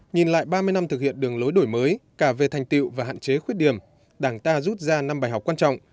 nhìn lại ba mươi năm thực hiện đường lối đổi mới cả về thành tiệu và hạn chế khuyết điểm đảng ta rút ra năm bài học quan trọng